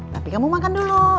tapi kamu makan dulu